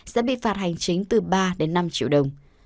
sẽ bị phạt hành chính từ ba đến năm triệu đồng